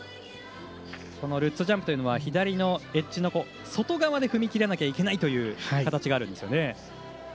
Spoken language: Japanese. ルッツジャンプというのは左のエッジの外側のほうで踏み切らなきゃいけないという形があるんですね。